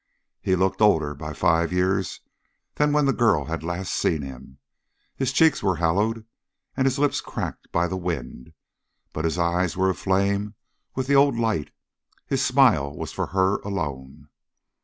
He looked older by five years than when the girl had last seen him; his cheeks were hollowed and his lips cracked by the wind, but his eyes were aflame with the old light, his smile was for her alone.